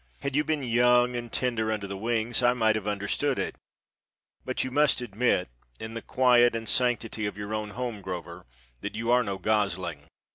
Had you been young and tender under the wings I might have understood it, but you must admit, in the quiet and sanctity of your own home, Grover, that you are no gosling.